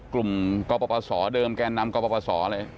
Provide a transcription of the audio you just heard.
กลุ่มกปศเดิมแกนนำกปศอะไร